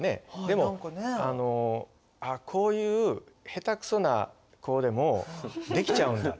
でも「こういうへたくそな子でもできちゃうんだ。